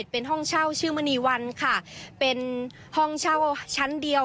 เป็นห้องเช่าชั้นเดียว